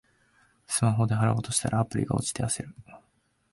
スマホで払おうとしたら、アプリが落ちて焦る